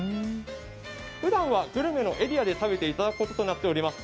ふだんはグルメのエリアで食べていただくこととなっております。